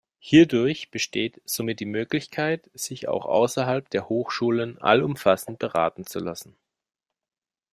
Hierdurch besteht somit die Möglichkeit, sich auch außerhalb der Hochschulen allumfassend beraten zu lassen.